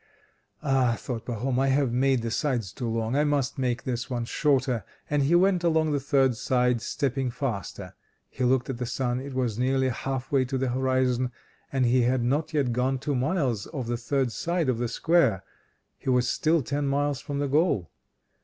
"Ah!" thought Pahom, "I have made the sides too long; I must make this one shorter." And he went along the third side, stepping faster. He looked at the sun: it was nearly half way to the horizon, and he had not yet done two miles of the third side of the square. He was still ten miles from the goal.